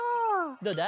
どうだ？